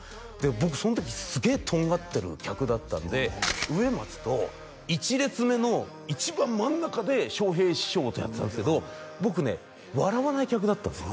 僕その時すげえとんがってる客だったんで植松と１列目の一番真ん中で笑瓶師匠やってたんですけど僕ね笑わない客だったんですよ